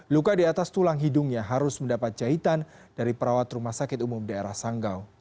luka di atas tulang hidungnya harus mendapat jahitan dari perawat rumah sakit umum daerah sanggau